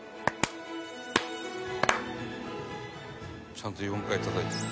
「ちゃんと４回たたいてる」